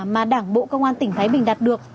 mà đảng bộ công an tỉnh thái bình đạt được